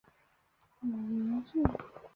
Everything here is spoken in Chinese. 母袁氏。